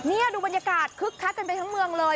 นี่ดูบรรยากาศคึกคักกันไปทั้งเมืองเลย